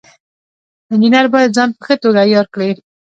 انجینر باید ځان په ښه توګه عیار کړي.